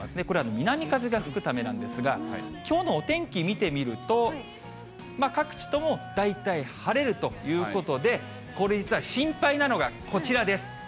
これは南風が吹くためなんですが、きょうのお天気、見てみると、各地とも大体晴れるということで、これ、実は心配なのがこちらです。